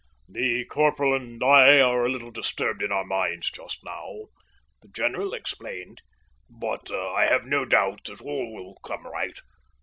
"The corporal and I are a little disturbed in our minds just now," the general explained, "but I have no doubt that all will come right.